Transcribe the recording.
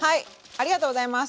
ありがとうございます。